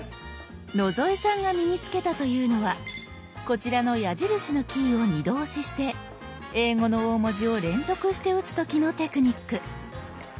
野添さんが身に付けたというのはこちらの矢印のキーを二度押しして英語の大文字を連続して打つ時のテクニック。